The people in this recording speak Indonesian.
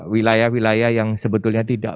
wilayah wilayah yang sebetulnya tidak